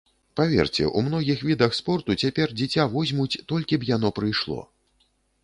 Паверце, у многіх відах спорту цяпер дзіця возьмуць, толькі б яно прыйшло.